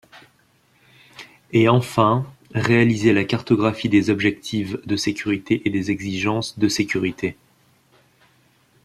Et enfin, réaliser la cartographie des objectives de sécurités et des exigences de sécurités.